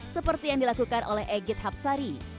seperti yang dilakukan oleh egyt hapsari